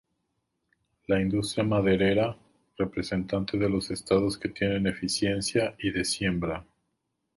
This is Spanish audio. La industria maderera, representante de los Estados que tienen eficiencia y de siembra.